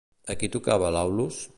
A qui tocava l'aulos?